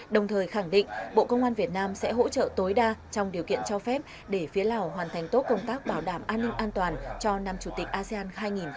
đồng thời khẳng định bộ công an việt nam sẽ hỗ trợ tối đa trong điều kiện cho phép để phía lào hoàn thành tốt công tác bảo đảm an ninh an toàn cho năm chủ tịch asean hai nghìn hai mươi